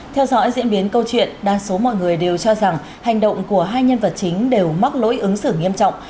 theo dõi diễn biến câu chuyện đa số mọi người đều cho rằng hành động của hai nhân vật chính đều mắc lỗi ứng xử nghiêm trọng